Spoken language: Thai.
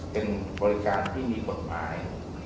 เป็นบริการที่มีกฎหมาย